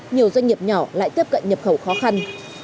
nhiều doanh nghiệp nhỏ lại tiếp cận nhập khẩu khó khăn